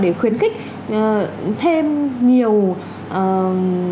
để khuyến khích thêm nhiều nguồn lực để chúng ta phát triển ô tô điện